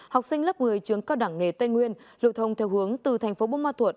học sinh lớp một mươi trường cao đẳng nghề tây nguyên lưu thông theo hướng từ thành phố bông ma thuột